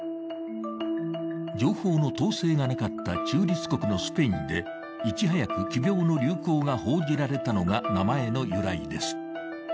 情報の統制がなかった中立国のスペインでいち早く奇病の流行が報じられたのが名前の由来です。